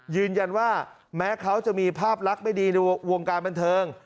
ยืนยันว่าแม้เขาจะมีภาพลักษณ์ไม่ดีในวงการบันเทิง